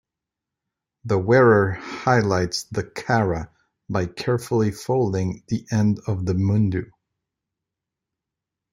The wearer highlights the 'kara' by carefully folding the end of the mundu.